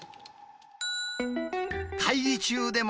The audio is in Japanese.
会議中でも！